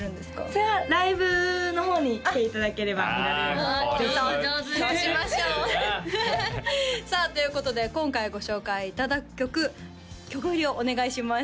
それはライブの方に来ていただければ見られるのでぜひそうしましょうさあということで今回ご紹介いただく曲曲振りをお願いします